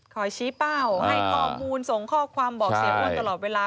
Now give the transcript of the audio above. ชี้เป้าให้ข้อมูลส่งข้อความบอกเสียอ้วนตลอดเวลา